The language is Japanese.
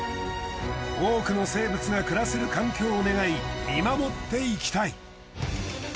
多くの生物が暮らせる環境を願い見守っていきたい。